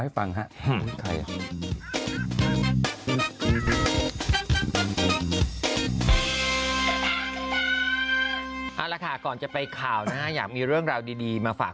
เอาละค่ะก่อนจะไปข่าวนะฮะอยากมีเรื่องราวดีมาฝาก